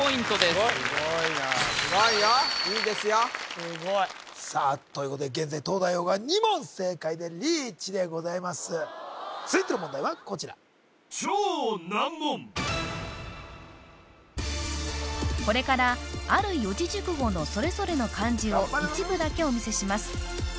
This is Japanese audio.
すごいよいいですよさあということで現在東大王が２問正解でリーチでございます続いての問題はこちらこれからある四字熟語のそれぞれの漢字を一部だけお見せします